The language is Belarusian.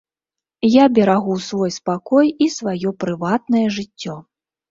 Я берагу свой спакой і сваё прыватнае жыццё.